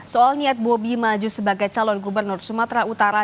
soal niat bobi maju sebagai calon gubernur sumatera utara